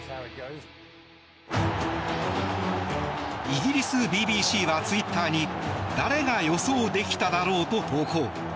イギリスＢＢＣはツイッターに誰が予想できただろうと投稿。